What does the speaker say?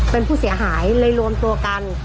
เป็นผู้เสียหายเลยรวมตัวกัน